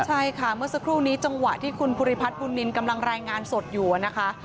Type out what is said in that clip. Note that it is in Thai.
ใช่ค่ะเมื่อสักครู่นี้จังหวะที่คุณภูริพัฒนบุญนินกำลังรายงานสดอยู่นะคะ